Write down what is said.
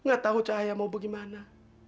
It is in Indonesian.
ayah mau pergi mana